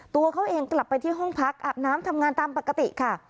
ตัวเขาเองกลับไปที่ห้องพักอาบน้ำทำงานตามปกติค่ะ